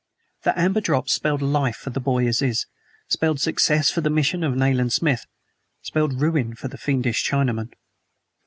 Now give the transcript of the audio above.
The amber drops spelled life for the boy Aziz, spelled success for the mission of Nayland Smith, spelled ruin for the fiendish Chinaman.